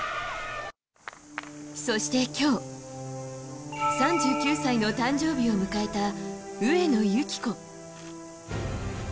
そして今日、３９歳の誕生日を迎えた上野由岐子。